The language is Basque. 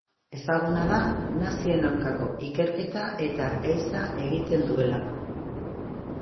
Ezaguna da nazien aurkako ikerketa eta ehiza egiten duelako.